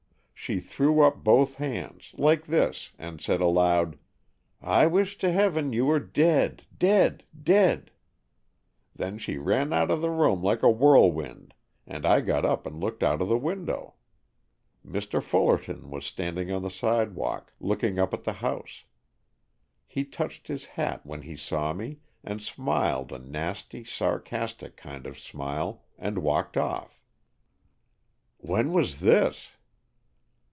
She threw up both hands, like this, and said aloud, 'I wish to heaven you were dead, dead, dead!' Then she ran out of the room like a whirlwind, and I got up and looked out of the window. Mr. Fullerton was standing on the sidewalk, looking up at the house. He touched his hat when he saw me, and smiled a nasty, sarcastic kind of a smile, and walked off." "When was this?"